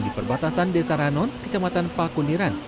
di perbatasan desa ranon kecamatan pakuniran